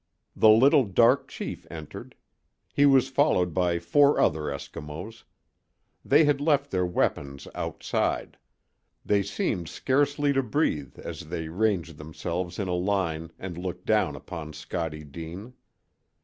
The little dark chief entered. He was followed by four other Eskimos. They had left their weapons outside. They seemed scarcely to breathe as they ranged themselves in a line and looked down upon Scottie Deane.